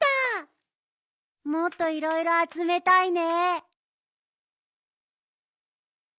もっといろいろあつめたいね。